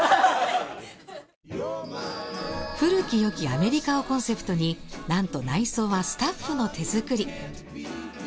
古き良きアメリカをコンセプトになんと内装はスタッフの手作り。